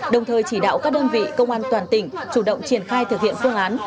đồng thời chỉ đạo các đơn vị công an toàn tỉnh chủ động triển khai thực hiện phương án